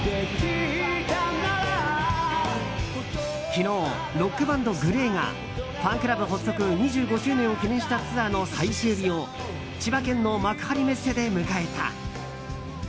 昨日、ロックバンドＧＬＡＹがファンクラブ発足２５周年を記念したツアーの最終日を千葉県の幕張メッセで迎えた。